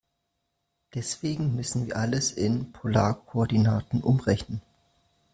Deswegen müssen wir alles in Polarkoordinaten umrechnen.